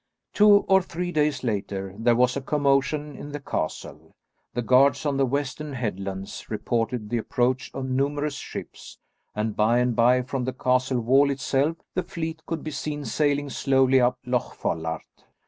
Two or three days later there was a commotion in the castle. The guards on the western headlands reported the approach of numerous ships, and by and by from the castle wall itself the fleet could be seen sailing slowly up Loch Follart.